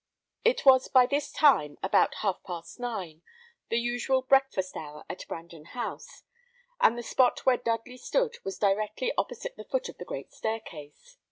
It was by this time about half past nine, the usual breakfast hour at Brandon House, and the spot where Dudley stood was directly opposite the foot of the great staircase.